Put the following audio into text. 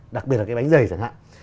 đặc biệt là cái bánh dày chẳng hạn